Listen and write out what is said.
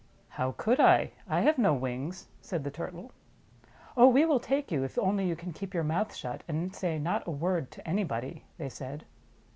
"How could I ? I have no wings," said the Turtle. "Oh, we will take you, if only you can keep your mouth 'shut, and say not a word to anybody," they said.